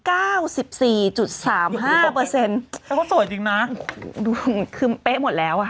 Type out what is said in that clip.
แล้วเขาสวยจริงนะดูคือเป๊ะหมดแล้วอ่ะ